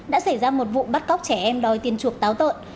đã xảy ra một vụ bắt cóc trẻ em đòi tiền chuộc táo tợn